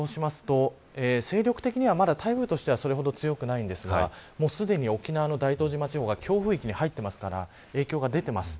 勢力的には、まだ台風としてはそれほど強くはないですがすでに沖縄の大東島地方が強風域に入っていますから影響が出ています。